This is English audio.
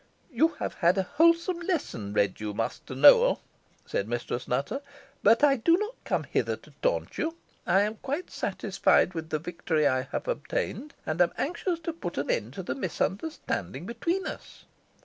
"You have had a wholesome lesson read you, Master Nowell," said Mistress Nutter; "but I do not come hither to taunt you. I am quite satisfied with the victory I have obtained, and am anxious to put an end to the misunderstanding between us."